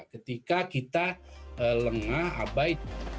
ketika kita lengah abai